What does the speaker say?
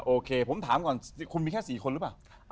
โอเคผมถามก่อนคุณมีแค่๔คนหรือเปล่า